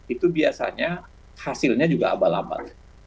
itu biasanya hasilnya juga abal abal